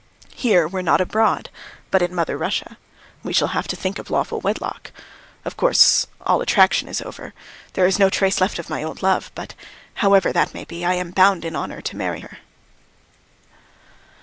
Here we're not abroad, but in mother Russia; we shall have to think of lawful wedlock. Of course, all attraction is over; there is no trace left of my old love, but, however that may be, I am bound in honour to marry her.